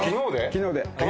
昨日で。